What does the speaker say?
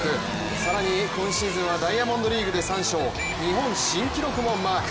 更に今シーズンはダイヤモンドリーグで３勝、日本新記録もマーク。